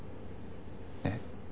えっ？